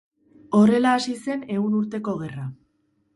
Horrela hasi zen Ehun Urteko Gerra.